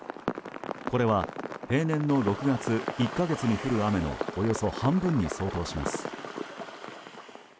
これは例年の６月１か月に降る雨のおよそ半分に相当します。